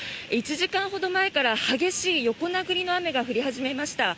１時間ほど前から激しい横殴りの雨が降り始めました。